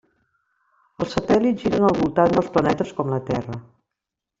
Els satèl·lits giren al voltant dels planetes com la Terra.